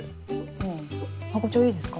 あぁハコ長いいですか？